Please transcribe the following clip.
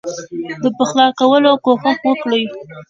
د پخلا کولو کوښښ وکړي.